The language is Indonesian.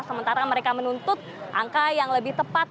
sementara mereka menuntut angka yang lebih tepat